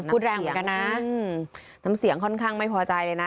พูดแรงเหมือนกันนะน้ำเสียงค่อนข้างไม่พอใจเลยนะ